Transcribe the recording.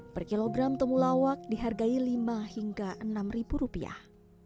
per kilogram temulawak dihargai lima hingga enam ribu rupiah